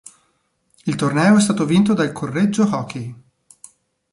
Il torneo è stato vinto dal Correggio Hockey.